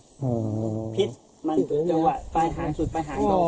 พิษมันจะไปทางสุดไปทางนอกก่อน